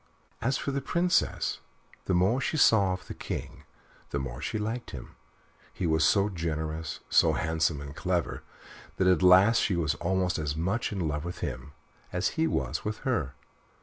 As for the Princess, the more she saw of the King the more she liked him; he was so generous, so handsome and clever, that at last she was almost as much in love with him as he was with her.